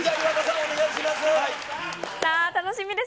お願いします。